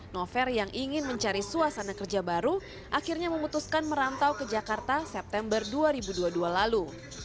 novel yang ingin mencari suasana kerja baru akhirnya memutuskan merantau ke jakarta september dua ribu dua puluh dua lalu